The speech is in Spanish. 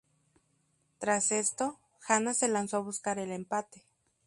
Tras esto, Ghana se lanzó a buscar el empate.